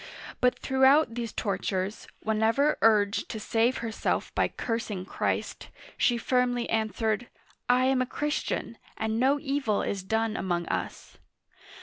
But throughout these tortures, whenever urged to save, herself by cursing Christ, she firmly answered: I am a Christian, and no evil is done among us."